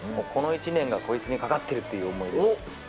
この１年がこいつにかかってるっていう思いで。